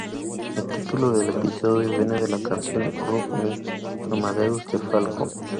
El título del episodio, viene de la canción "Rock Me Amadeus", de Falco.